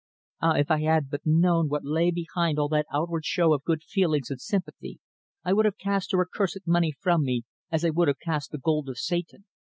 Ah! if I had but known what lay behind all that outward show of good feeling and sympathy I would have cast her accursed money from me as I could cast the gold of Satan.